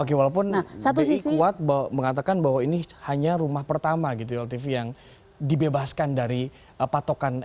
oke walaupun ltv kuat mengatakan bahwa ini hanya rumah pertama gitu ya ltv yang dibebaskan dari patokan